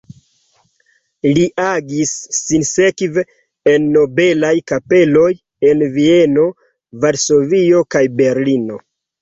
Li agis sinsekve en nobelaj kapeloj en Vieno, Varsovio kaj Berlino.